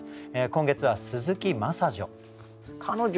今月は鈴木真砂女。